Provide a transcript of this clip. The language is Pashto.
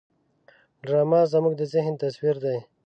ډرامه زموږ د ذهن تصویر دی